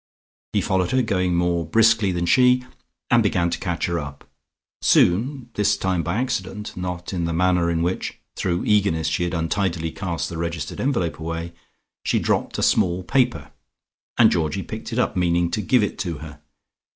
He followed her going more briskly than she and began to catch her up. Soon (this time by accident, not in the manner in which, through eagerness she had untidily cast the registered envelope away) she dropped a small paper, and Georgie picked it up, meaning to give it her.